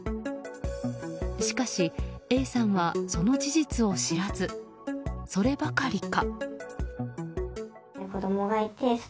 しかし、Ａさんはその事実を知らずそればかりか。